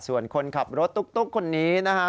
ส่วนคนขับรถตุ๊กคนนี้นะฮะ